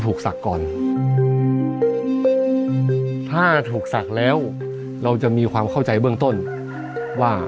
ศักดิ์ก่อนถ้าถูกศักดิ์แล้วเราจะมีความเข้าใจเบื้องต้นว่า